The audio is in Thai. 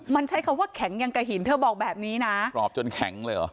มันใช้คำว่าแข็งยังกระหินเธอบอกแบบนี้นะกรอบจนแข็งเลยเหรอ